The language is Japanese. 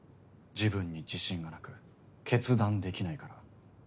自分に自信がなく決断できないから。